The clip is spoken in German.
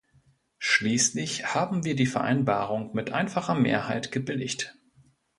Schließlich haben wir die Vereinbarung mit einfacher Mehrheit gebilligt.